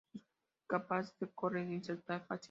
Son capaces de correr y saltar fácilmente.